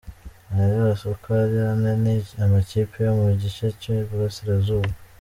Aya yose uko ari ane ni amakipe yo mu gice cy’u Burasirazuba.